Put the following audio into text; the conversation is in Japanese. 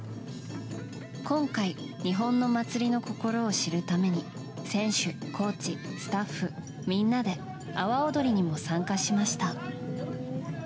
今回、日本の祭りの心を知るために選手、コーチ、スタッフみんなで阿波踊りにも参加しました。